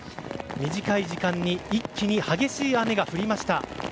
短い時間に一気に激しい雨が降りました。